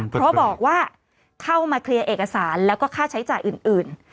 เพราะบอกว่าเข้ามาเคลียร์เอกสารแล้วก็ค่าใช้จ่ายอื่น